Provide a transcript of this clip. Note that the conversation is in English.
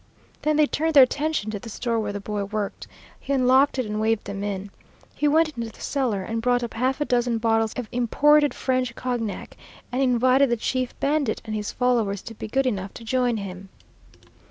Then they turned their attention to the store where the boy worked. He unlocked it and waved them in. He went into the cellar and brought up half a dozen bottles of imported French Cognac, and invited the chief bandit and his followers to be good enough to join him.